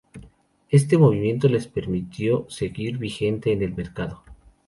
Este movimiento les permitió seguir vigente en el mercado.